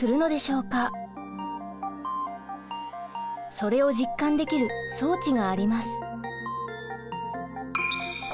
それを実感できる装置があります。